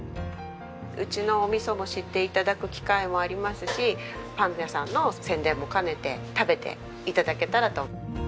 うちのお味噌も知って頂く機会もありますしパン屋さんの宣伝も兼ねて食べて頂けたらと。